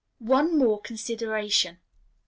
One more Consideration.